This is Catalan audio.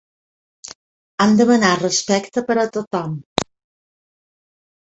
Han demanat respecte per a tothom.